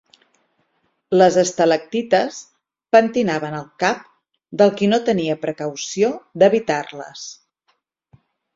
Les estalactites pentinaven el cap del qui no tenia precaució d’evitar-les.